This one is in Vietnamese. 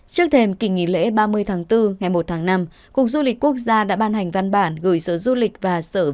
trước thêm kỳ nghỉ lễ ba mươi tháng bốn ngày một tháng năm cục du lịch quốc gia đã ban hành văn bản gửi sở du lịch và sở du lịch